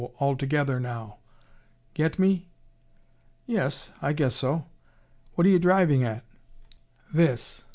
All together, now!' Get me?" "Yes I guess so. What are you driving at?" "This.